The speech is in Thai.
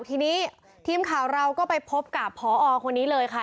ทีนี้ทีมข่าวเราก็ไปพบกับพอคนนี้เลยค่ะ